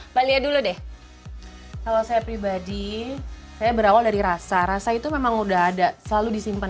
mbak lia dulu deh kalau saya pribadi saya berawal dari rasa rasa itu memang udah ada selalu disimpan